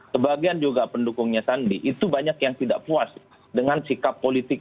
sebagian juga pendukungnya sandi itu banyak yang tidak puas dengan sikap politik